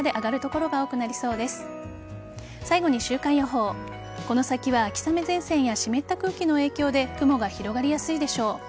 この先は秋雨前線や湿った空気の影響で雲が広がりやすいでしょう。